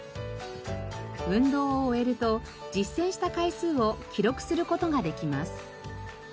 運動を終えると実践した回数を記録する事ができます。